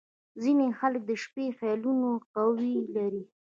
• ځینې خلک د شپې خیالونه قوي لري.